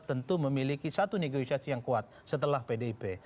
tentu memiliki satu negosiasi yang kuat setelah pdip